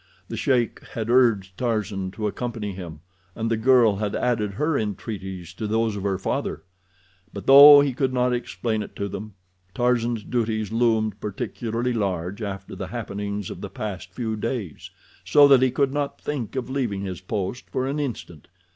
The sheik had urged Tarzan to accompany him, and the girl had added her entreaties to those of her father; but, though he could not explain it to them, Tarzan's duties loomed particularly large after the happenings of the past few days, so that he could not think of leaving his post for an instant.